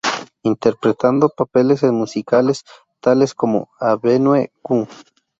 Interpretando papeles en musicales tales como "Avenue Q".